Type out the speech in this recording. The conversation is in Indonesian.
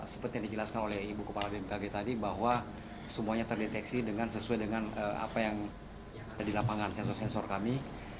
seperti yang dijelaskan oleh ibu kepala bmkg tadi bahwa semuanya terdeteksi sesuai dengan apa yang ada di lapangan sensor sensor kami